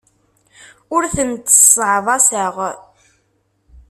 Ur tent-sseɛḍaseɣ.